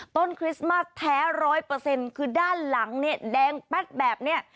คริสต์มาสแท้ร้อยเปอร์เซ็นต์คือด้านหลังเนี่ยแดงแป๊บแบบนี้